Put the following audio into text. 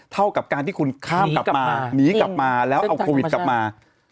เท่ากับการที่คุณข้ามกลับมาหนีกลับมาแล้วเอาโควิดกลับมา